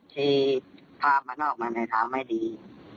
ที่พาพันธุ์ออกมาในทั้งหลายไม่ดี